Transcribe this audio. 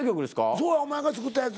そうやお前が作ったやつ。